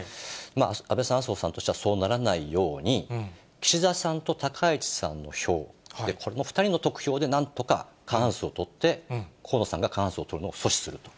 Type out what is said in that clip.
安倍さん、麻生さんとしてはそうならないように、岸田さんと高市さんの票、これも２人の得票でなんとか過半数を取って、河野さんが過半数を取るのを阻止すると。